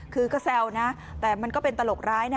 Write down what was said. คือก็แซวนะแต่มันก็เป็นตลกร้ายนะ